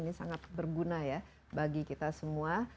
ini sangat berguna ya bagi kita semua